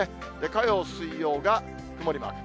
火曜、水曜が曇りマーク。